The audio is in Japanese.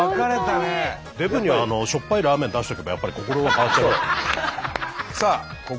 デブにはしょっぱいラーメン出しとけばやっぱり心は変わっちゃいますからね。